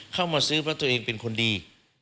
เข้ามาซื้อเพราะตัวเองเป็นคนดี